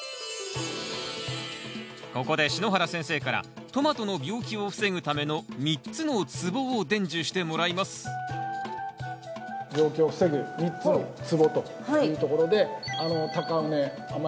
ここで篠原先生からトマトの病気を防ぐための３つのつぼを伝授してもらいます病気を防ぐ３つのつぼというところで高畝雨よけと。